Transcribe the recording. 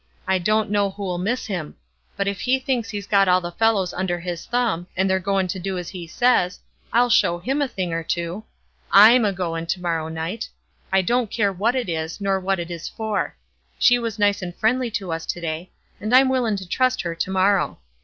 I don't know who'll miss him; but if he thinks he's got all the fellows under his thumb, and they're goin' to do as he says, I'll show him a thing or two. I'm a goin' to morrow night. I don't care what it is, nor what it is for. She was nice and friendly to us to day, and I'm willin' to trust her to morrow.